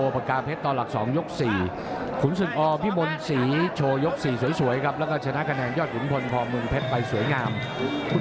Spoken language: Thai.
ไม่หนีเนี่ยเน้นเลยดู